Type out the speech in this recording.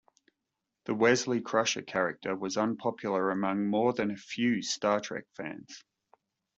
The Wesley Crusher character was unpopular among more than a few "Star Trek" fans.